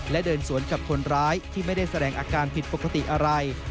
และเดินสวนกับคนร้ายที่ไม่ได้แสดงอาการผิดปกติอะไร